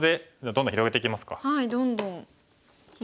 どんどん広げていきたいですね。